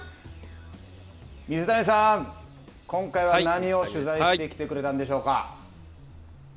水谷さん、今回は何を取材してきてくれたんでしょうか。